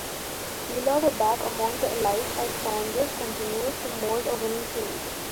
Villa were back among the elite as Saunders continued to mould a winning team.